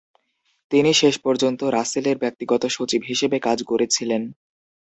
তিনি শেষ পর্যন্ত রাসেলের ব্যক্তিগত সচিব হিসেবে কাজ করেছিলেন।